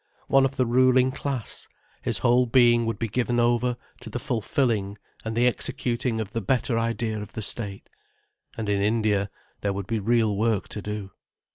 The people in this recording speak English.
One of the ruling class, his whole being would be given over to the fulfilling and the executing of the better idea of the state. And in India, there would be real work to do.